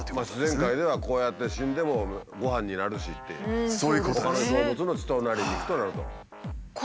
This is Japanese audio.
自然界ではこうやって死んでもごはんになるしっていうほかの動物の血となり肉となると。